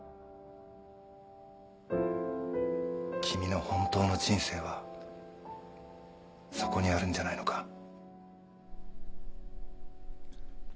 君の本当の人生はそこにあるんじゃないのか？